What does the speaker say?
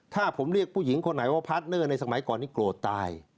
ถ้าผมเรียกผู้หญิงคนไหนว่าพาร์ทเนอร์ในสมัยก่อนนี้โกรธตาย